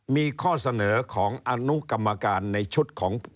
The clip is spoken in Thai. มีข้อเสนอของอนุกรรมการในชุดของ